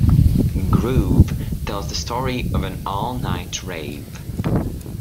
"Groove" tells the story of an all-night rave.